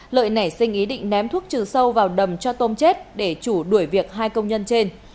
lợi nảy sinh ý định ném thuốc trừ sâu vào đầm cho tôm chết để chủ đuổi việc hai công nhân trên